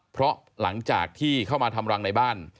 เพราะหลังจากที่เข้ามาทำรังในบ้าน